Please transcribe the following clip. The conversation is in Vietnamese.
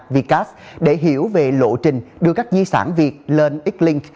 vcas để hiểu về lộ trình đưa các di sản việt lên x link